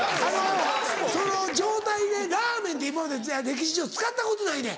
その状態でラーメンって今まで歴史上使ったことないねん。